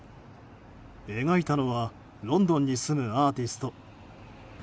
描いたのはロンドンに住むアーティスト。